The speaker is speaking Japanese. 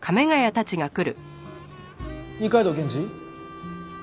二階堂検事？